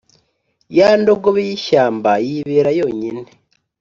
ya ndogobe y’ishyamba yibera yonyine,